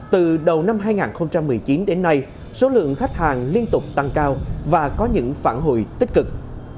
từ đầu năm hai nghìn một mươi chín đến nay số lượng khách hàng liên tục tăng cao và có những phản hồi tích cực